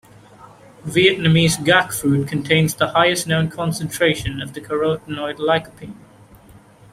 Vietnamese gac fruit contains the highest known concentration of the carotenoid lycopene.